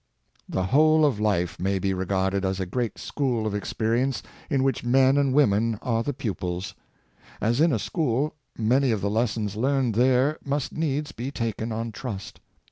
The whole of life may be regarded as a great school of experience, in which men and women are the pupils. As in a school, many of the lessons learned there must needs be taken on trust.